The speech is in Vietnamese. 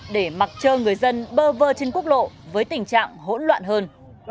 để mặc trơ người dân bơ vơ trên quốc lộ với tình trạng hỗn loạn hơn